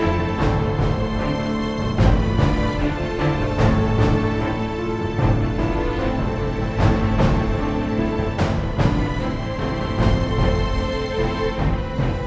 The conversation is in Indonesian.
mama aku pasti ke sini